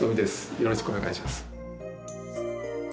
よろしくお願いします。